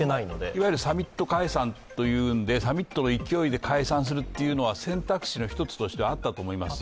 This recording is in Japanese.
いわゆるサミット解散というので、サミットの勢いで解散するというのは選択肢の一つとしてはあったと思います。